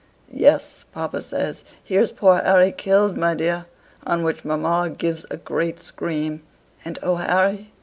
"Yes. Papa says: 'Here's poor Harry killed, my dear;' on which mamma gives a great scream; and oh, Harry!